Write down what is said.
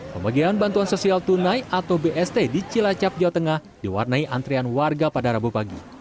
pembagian bantuan sosial tunai atau bst di cilacap jawa tengah diwarnai antrian warga pada rabu pagi